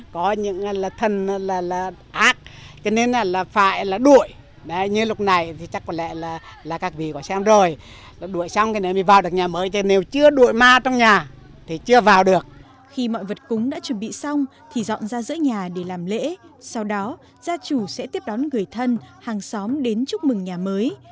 khi mọi vật cúng đã chuẩn bị xong thì dọn ra giữa nhà để làm lễ sau đó gia chủ sẽ tiếp đón người thân hàng xóm đến chúc mừng nhà mới